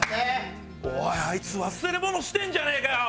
おいあいつ忘れ物してんじゃねえかよ！